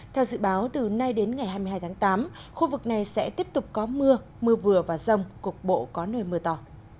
theo dự báo từ nay đến ngày hai mươi hai tháng tám khu vực này sẽ tiếp tục có mưa mưa vừa và rông cục bộ có nơi mưa to